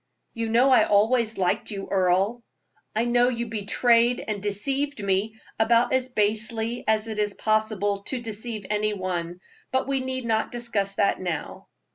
"You know I always liked you, Earle." "I know you betrayed and deceived me about as basely as it is possible to deceive any one. But we need not discuss that now."